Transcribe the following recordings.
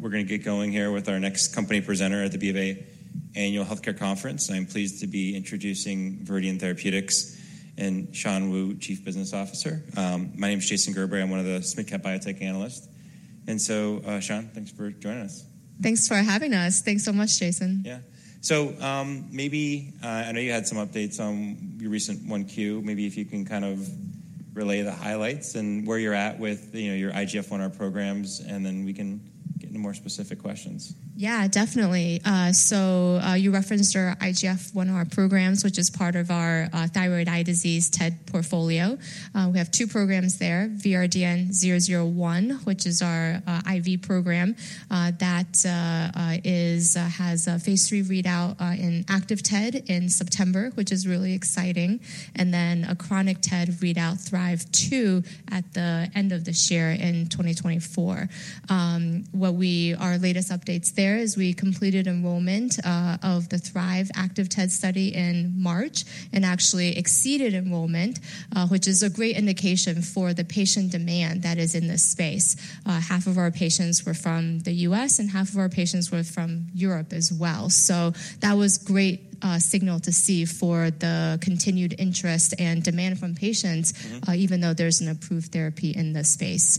We're gonna get going here with our next company presenter at the BofA Annual Healthcare Conference. I'm pleased to be introducing Viridian Therapeutics and Shan Wu, Chief Business Officer. My name is Jason Gerberry. I'm one of the BofA biotech analysts. Shan, thanks for joining us. Thanks for having us. Thanks so much, Jason. Yeah. So, maybe, I know you had some updates on your recent 1Q. Maybe if you can kind of relay the highlights and where you're at with, you know, your IGF-1 programs, and then we can get into more specific questions. Yeah, definitely. You referenced our IGF-1R programs, which is part of our thyroid eye disease TED portfolio. We have two programs there, VRDN-001, which is our IV program that has a Phase III readout in active TED in September, which is really exciting. Then a chronic TED readout, THRIVE-2, at the end of this year in 2024. Our latest updates there is we completed enrollment of the THRIVE active TED study in March and actually exceeded enrollment, which is a great indication for the patient demand that is in this space. Half of our patients were from the U.S., and half of our patients were from Europe as well. So that was great signal to see for the continued interest and demand from patients even though there's an approved therapy in this space.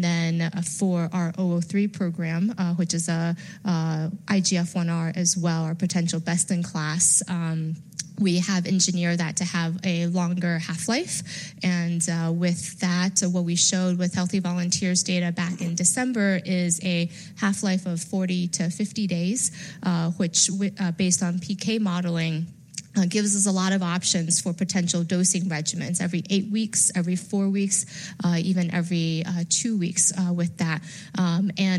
Then for our 003 program, which is IGF-1 as well, our potential best in class, we have engineered that to have a longer half-life. With that, what we showed with healthy volunteers' data back in December is a half-life of 40-50 days, which, based on PK modeling, gives us a lot of options for potential dosing regimens. Every eight weeks, every four weeks, even every two weeks, with that.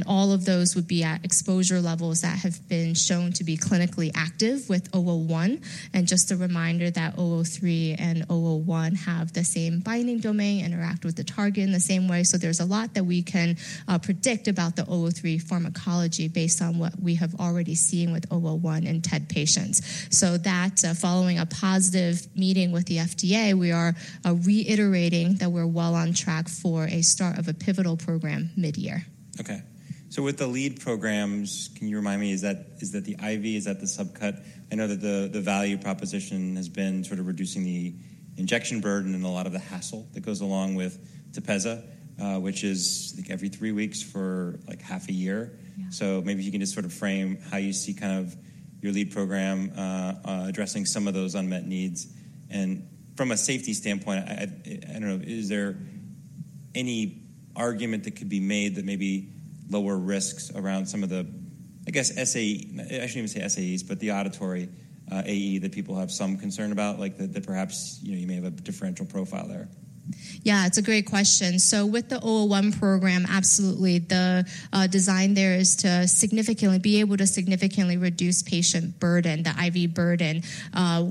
All of those would be at exposure levels that have been shown to be clinically active with 001. Just a reminder that 003 and 001 have the same binding domain, interact with the target in the same way. There's a lot that we can predict about the 003 pharmacology based on what we have already seen with 001 in TED patients. So that, following a positive meeting with the FDA, we are reiterating that we're well on track for a start of a pivotal program mid-year. Okay. So with the lead programs, can you remind me, is that the IV? Is that the subcut? I know that the value proposition has been sort of reducing the injection burden and a lot of the hassle that goes along with Tepezza, which is, I think, every three weeks for, like, half a year. So maybe if you can just sort of frame how you see kind of your lead program addressing some of those unmet needs. From a safety standpoint, I don't know, is there any argument that could be made that maybe lower risks around some of the, I guess, SAE-- I shouldn't even say SAEs, but the auditory AE, that people have some concern about, like, that, that perhaps, you know, you may have a differential profile there? Yeah, it's a great question. So with the 001 program, absolutely, the design there is to significantly be able to significantly reduce patient burden, the IV burden.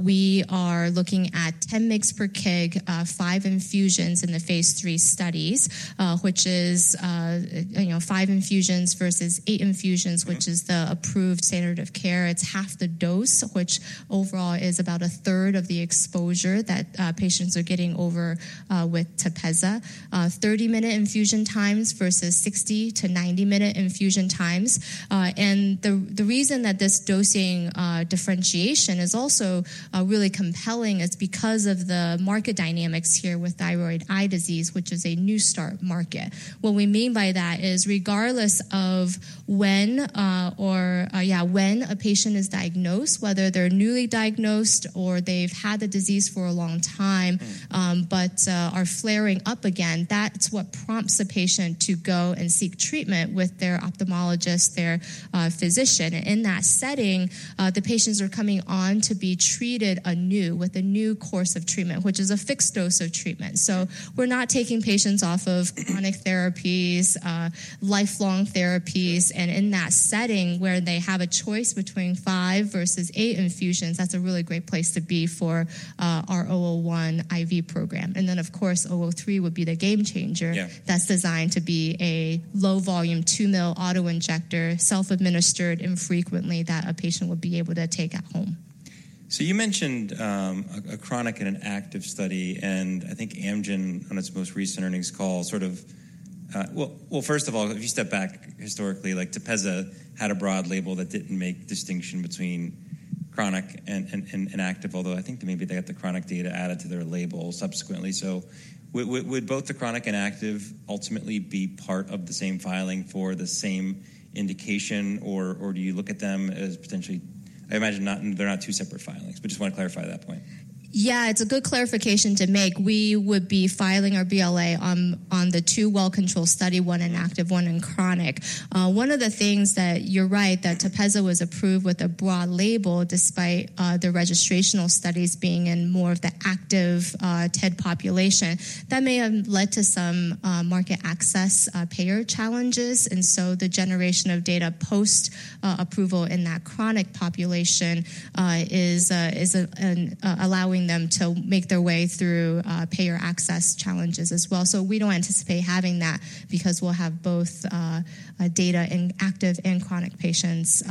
We are looking at 10 mg per kg, five infusions in the Phase III studies, which is, you know, five infusions versus eight infusions which is the approved standard of care. It's half the dose, which overall is about a third of the exposure that patients are getting over with Tepezza. 30-minute infusion times versus 60- to 90-minute infusion times. The reason that this dosing differentiation is also really compelling is because of the market dynamics here with thyroid eye disease, which is a new start market. What we mean by that is, regardless of when or yeah when a patient is diagnosed, whether they're newly diagnosed or they've had the disease for a long time but are flaring up again, that's what prompts a patient to go and seek treatment with their ophthalmologist, their physician. In that setting, the patients are coming on to be treated anew with a new course of treatment, which is a fixed dose of treatment. So we're not taking patients off of chronic therapies, lifelong therapies. In that setting, where they have a choice between five versus eight infusions, that's a really great place to be for our 001 IV program. Then, of course, 003 would be the game changer that's designed to be a low-volume, 2-ml auto-injector, self-administered infrequently, that a patient would be able to take at home. So you mentioned a chronic and an active study, and I think Amgen, on its most recent earnings call, sort of... Well, first of all, if you step back historically, like, Tepezza had a broad label that didn't make distinction between chronic and inactive, although I think maybe they got the chronic data added to their label subsequently. So would both the chronic and active ultimately be part of the same filing for the same indication, or do you look at them as potentially—I imagine not—they're not two separate filings, but just want to clarify that point. Yeah, it's a good clarification to make. We would be filing our BLA on the two well-controlled study, one in active, one in chronic. One of the things that, you're right, that Tepezza was approved with a broad label despite the registrational studies being in more of the active TED population. That may have led to some market access payer challenges, and so the generation of data post approval in that chronic population is allowing them to make their way through payer access challenges as well. So we don't anticipate having that because we'll have both data in active and chronic patients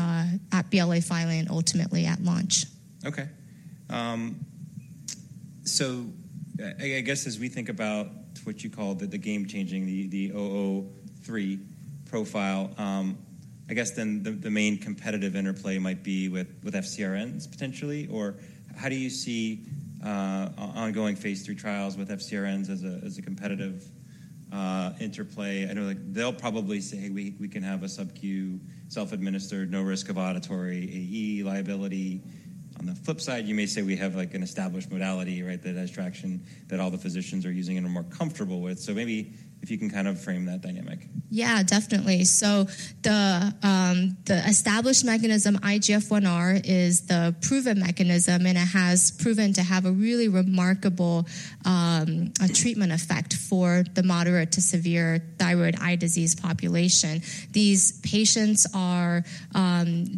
at BLA filing and ultimately at launch. Okay. So, I guess as we think about what you call the game-changing, the 003 profile, I guess then the main competitive interplay might be with FcRns potentially, or how do you see ongoing Phase III trials with FcRns as a competitive interplay? I know, like, they'll probably say, "We can have a subQ, self-administered, no risk of auditory AE liability." On the flip side, you may say, we have, like, an established modality, right? That has traction that all the physicians are using and are more comfortable with. So maybe if you can kind of frame that dynamic. Yeah, definitely. So the established mechanism, IGF-1R, is the proven mechanism, and it has proven to have a really remarkable treatment effect for the moderate to severe thyroid eye disease population. These patients are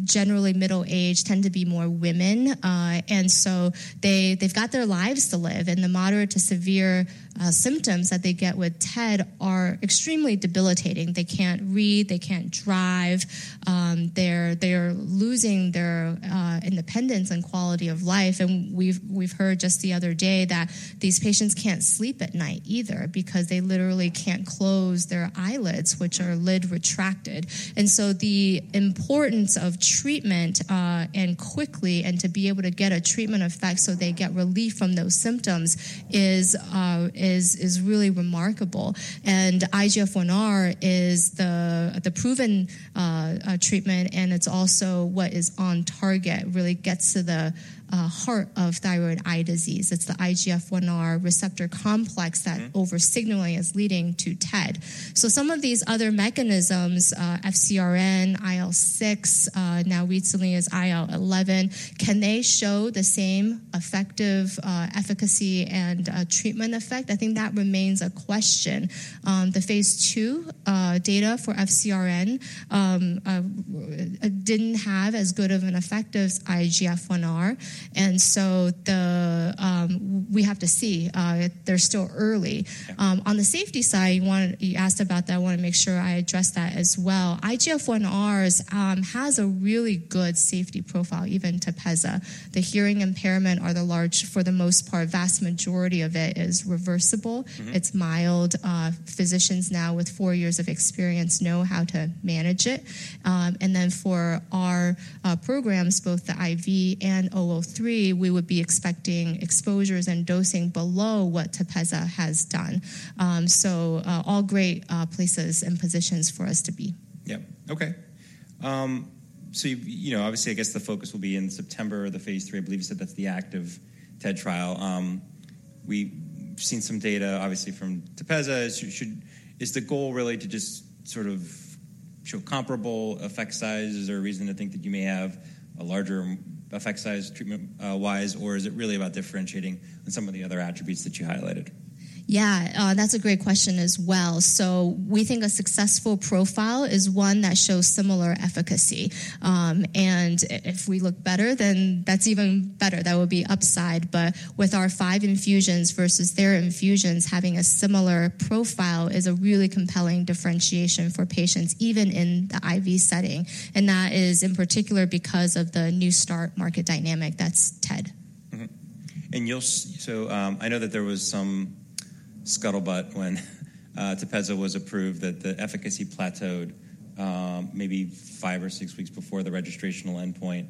generally middle-aged, tend to be more women, and so they've got their lives to live. The moderate to severe symptoms that they get with TED are extremely debilitating. They can't read. They can't drive. They're losing their independence and quality of life, and we've heard just the other day that these patients can't sleep at night either because they literally can't close their eyelids, which are lid retracted. So the importance of treatment and quickly and to be able to get a treatment effect so they get relief from those symptoms is really remarkable. IGF-1R is the proven treatment, and it's also what is on target, really gets to the heart of thyroid eye disease. It's the IGF-1R receptor complex that over-signaling is leading to TED. So some of these other mechanisms, FcRn, IL-6, now recently is IL-11, can they show the same effective, efficacy and, treatment effect? I think that remains a question. The Phase II data for FcRn didn't have as good of an effect as IGF-1R, and so the... We have to see. They're still early. Yeah. On the safety side, you wanted—you asked about that. I wanna make sure I address that as well. IGF-1R has a really good safety profile, even Tepezza. The hearing impairment are the large, for the most part, vast majority of it is reversible. It's mild. Physicians now with four years of experience know how to manage it. Then for our programs, both the IV and 003, we would be expecting exposures and dosing below what Tepezza has done. So, all great places and positions for us to be. Yep. Okay. So, you know, obviously, I guess the focus will be in September, the Phase III. I believe you said that's the active TED trial. We've seen some data, obviously, from Tepezza. So is the goal really to just sort of show comparable effect size? Is there a reason to think that you may have a larger effect size treatment-wise, or is it really about differentiating on some of the other attributes that you highlighted? Yeah, that's a great question as well. So we think a successful profile is one that shows similar efficacy, and if we look better, then that's even better. That would be upside. But with our five infusions versus their infusions, having a similar profile is a really compelling differentiation for patients, even in the IV setting, and that is in particular because of the new start market dynamic that's TED. So, I know that there was some scuttlebutt when Tepezza was approved, that the efficacy plateaued, maybe five or six weeks before the registrational endpoint.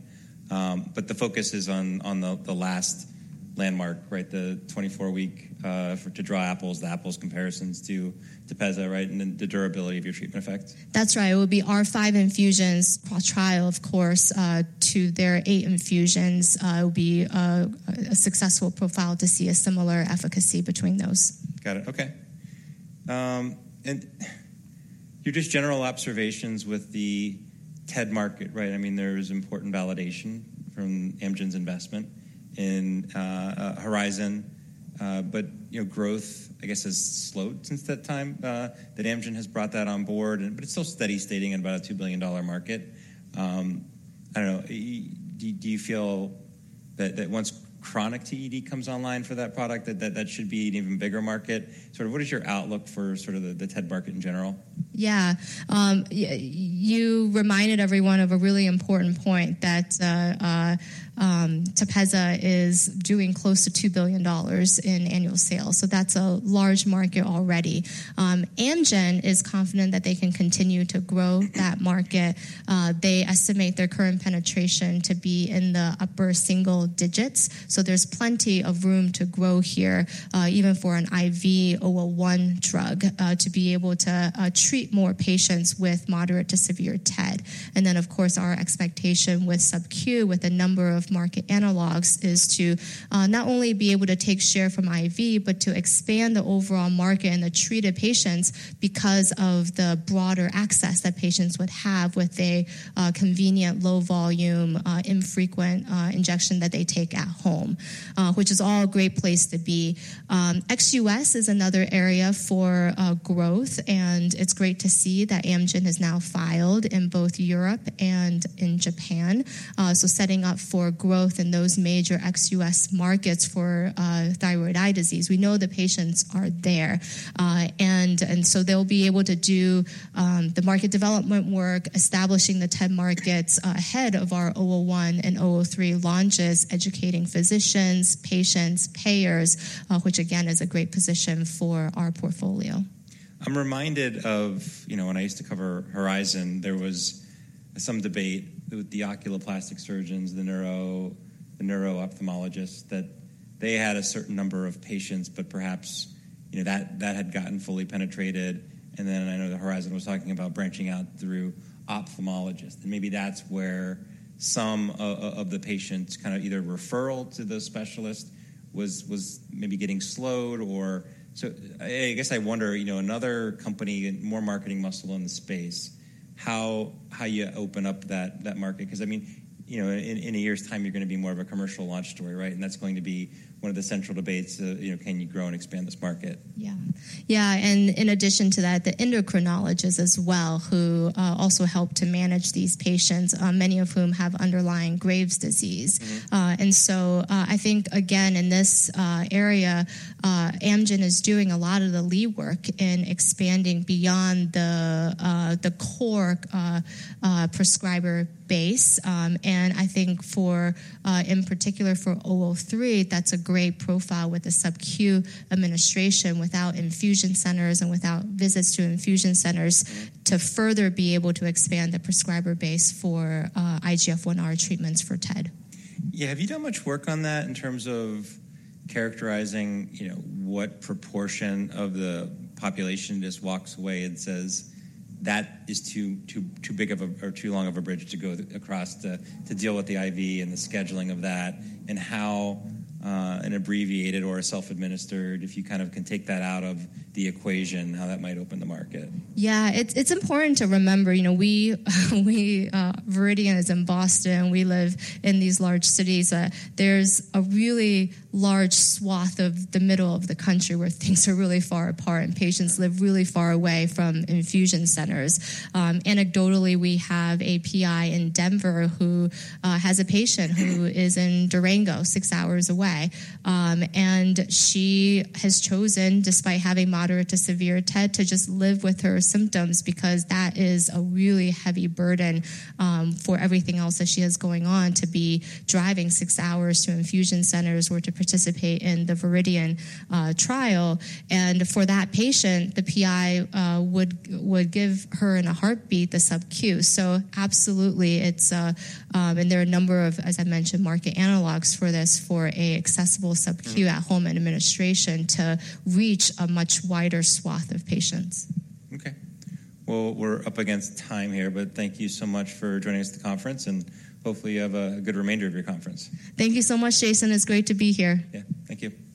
But the focus is on the last landmark, right? The 24-week to draw apples to apples comparisons to Tepezza, right, and then the durability of your treatment effect. That's right. It would be our five infusions trial, of course, to their eight infusions. It would be a successful profile to see a similar efficacy between those. Got it. Okay. Just your general observations with the TED market, right? I mean, there's important validation from Amgen's investment in Horizon. But, you know, growth, I guess, has slowed since that time that Amgen has brought that on board and... But it's still staying steady at about a $2 billion market. I don't know. Do you feel that once chronic TED comes online for that product, that should be an even bigger market? Sort of what is your outlook for sort of the TED market in general? Yeah. You reminded everyone of a really important point, that Tepezza is doing close to $2 billion in annual sales, so that's a large market already. Amgen is confident that they can continue to grow that market. They estimate their current penetration to be in the upper single digits, so there's plenty of room to grow here, even for a VRDN-001 drug, to be able to treat more patients with moderate to severe TED. Then of course, our expectation with subQ, with the number of market analogs, is to not only be able to take share from IV, but to expand the overall market and the treated patients because of the broader access that patients would have with a convenient, low volume, infrequent, injection that they take at home, which is all a great place to be. Ex-U.S. is another area for growth, and it's great to see that Amgen has now filed in both Europe and in Japan. Setting up for growth in those major ex-U.S. markets for thyroid eye disease. We know the patients are there. So they'll be able to do the market development work, establishing the TED markets ahead of our 001 and 003 launches, educating physicians, patients, payers, which again is a great position for our portfolio. I'm reminded of, you know, when I used to cover Horizon, there was some debate with the oculoplastic surgeons, the neuro-ophthalmologists, that they had a certain number of patients, but perhaps, you know, that had gotten fully penetrated. Then I know that Horizon was talking about branching out through ophthalmologists, and maybe that's where some of the patients kind of either referral to those specialists was maybe getting slowed or... So I guess I wonder, you know, another company and more marketing muscle in the space, how you open up that market? Because, I mean, you know, in a year's time, you're gonna be more of a commercial launch story, right? That's going to be one of the central debates, you know, can you grow and expand this market? Yeah. Yeah, and in addition to that, the endocrinologists as well, who also help to manage these patients, many of whom have underlying Graves' disease. So, I think, again, in this area, Amgen is doing a lot of the lead work in expanding beyond the core prescriber base. I think, in particular, for 003, that's a great profile with the subQ administration, without infusion centers and without visits to infusion centers to further be able to expand the prescriber base for IGF-1R treatments for TED. Yeah. Have you done much work on that in terms of characterizing, you know, what proportion of the population just walks away and says, "That is too, too, too big of a or too long of a bridge to go across, to, to deal with the IV and the scheduling of that," and how an abbreviated or a self-administered, if you kind of can take that out of the equation, how that might open the market? Yeah. It's important to remember, you know, we, we, Viridian is in Boston. We live in these large cities. There's a really large swath of the middle of the country where things are really far apart and patients live really far away from infusion centers. Anecdotally, we have a PI in Denver who has a patient who is in Durango, six hours away, and she has chosen, despite having moderate to severe TED, to just live with her symptoms because that is a really heavy burden for everything else that she has going on, to be driving six hours to infusion centers or to participate in the Viridian trial. For that patient, the PI would give her in a heartbeat, the subQ. So absolutely, it's... There are a number of, as I mentioned, market analogs for this, for a accessible subQ at-home administration to reach a much wider swath of patients. Okay. Well, we're up against time here, but thank you so much for joining us at the conference, and hopefully, you have a good remainder of your conference. Thank you so much, Jason. It's great to be here. Yeah. Thank you.